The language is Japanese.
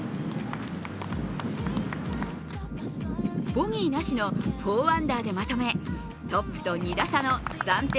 ボギーなしの４アンダーでまとめ、トップと２打差の暫定